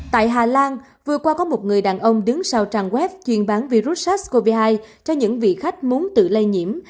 tại hà lan vừa qua có một người đàn ông đứng sau trang web chuyên bán virus sars cov hai cho những vị khách muốn tự lây nhiễm